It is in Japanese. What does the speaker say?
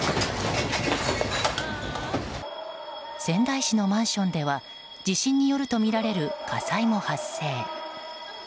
仙台市のマンションでは地震によるとみられる火災も発生。